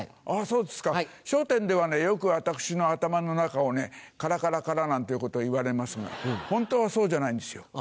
あっそうですか『笑点』ではねよく私の頭の中をねカラカラカラなんていうことを言われますが本当はそうじゃないんですよ。